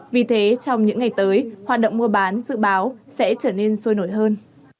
vì thế trong những ngày tới hoạt động mua bán dự báo sẽ trở nên sôi nổi hơn